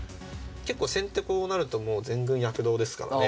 結構先手こうなるともう全軍躍動ですからね。